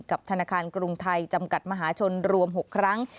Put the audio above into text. ธนาคารกรุงไทยจำกัดมหาชนรวม๖ครั้ง